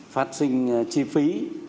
phát sinh chi phí